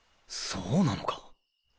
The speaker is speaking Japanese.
そうなのか。